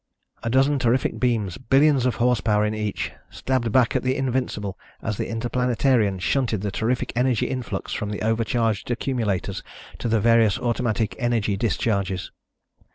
A dozen terrific beams, billions of horsepower in each, stabbed back at the Invincible as the Interplanetarian shunted the terrific energy influx from the overcharged accumulators to the various automatic energy discharges.